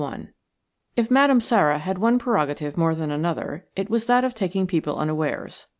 F Madame Sara had one prerogative more than another it was that of taking people unawares.